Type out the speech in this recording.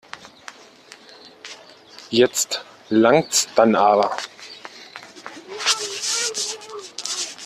Jetzt langt's dann aber.